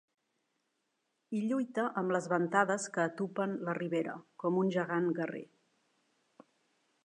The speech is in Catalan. I lluita amb les ventades que atupen la ribera, com un gegant guerrer.